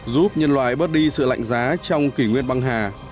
giúp nhân loại bớt đi sự lạnh giá trong kỷ nguyên băng hà